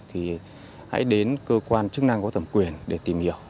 thì hãy đến cơ quan chức năng có thẩm quyền để tìm hiểu